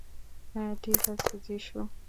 হ্যাঁ ঠিক আছে যীশু।